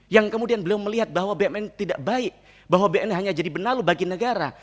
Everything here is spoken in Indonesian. yang kemudian beliau melihat bahwa bnn tidak baik bahwa bnn hanya jadi benalu bagi negara